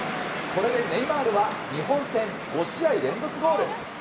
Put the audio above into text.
これでネイマールは日本戦５試合連続ゴール。